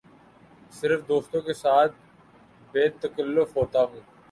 صرف دوستوں کے ساتھ بے تکلف ہوتا ہوں